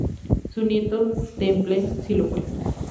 Su nieto, Temple, sí lo fue.